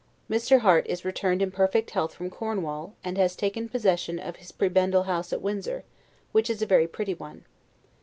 Mr. Harte is returned in perfect health from Cornwall, and has taken possession of his prebendal house at Windsor, which is a very pretty one.